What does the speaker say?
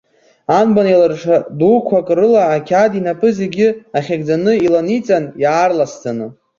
Анбан еиларша дуқәак рыла ақьаад инапы зегьы ахьыгӡаны иланиҵан, иаарласӡаны.